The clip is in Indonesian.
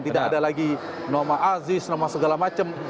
tidak ada lagi nama aziz nama segala macam